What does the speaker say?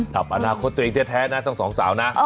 กับอนาคตตัวเองแท้นะทั้งสองสาวนะ